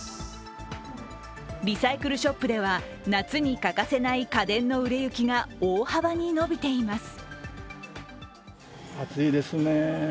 リサイクルショップでは、夏に欠かせない家電の売れ行きが大幅に伸びています。